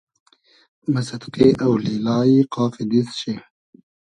مۂ سئدقې اۆلیلای قافی دیست شی